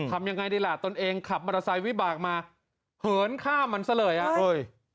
ทำยังไงดีล่ะตนเองขับมอเตอร์ไซค์วิบากมาเหินฆ่ามันซะเลยอ่ะเฮ้ย